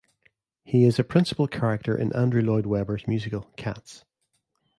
He is a principal character in Andrew Lloyd Webber's musical "Cats".